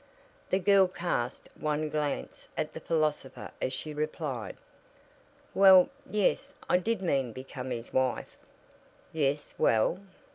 The girl cast one glance at the philosopher as she replied: "Well, yes; I did mean become his wife." "Yes. Well?"